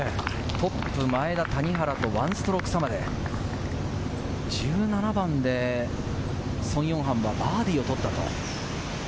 トップ・前田、谷原と１ストローク差まで１７番でソン・ヨンハンはバーディーを取ったと。